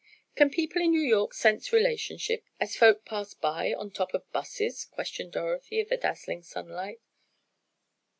"Can people in New York sense relationship as folk pass by on top of 'buses?" questioned Dorothy, of the dazzling sunlight.